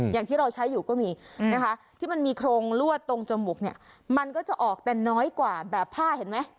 อย่างที่เราใช้อยู่ก็มีนะคะที่มันมีโครงลวดตรงจมูกเนี่ยมันก็จะออกแต่น้อยกว่าแบบผ้าเห็นไหม